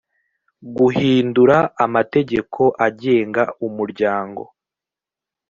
guhindura amategeko agenga umuryango